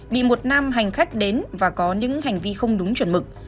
bị một nam hành khách đến và có những hành vi không đúng chuẩn mực